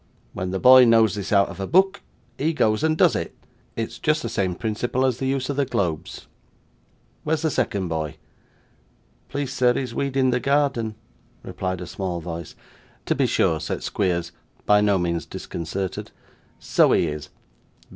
When the boy knows this out of book, he goes and does it. It's just the same principle as the use of the globes. Where's the second boy?' 'Please, sir, he's weeding the garden,' replied a small voice. 'To be sure,' said Squeers, by no means disconcerted. 'So he is.